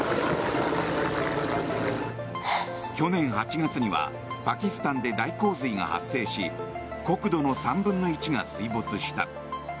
去年８月にはパキスタンで大洪水が発生し国土の３分の１が水没した。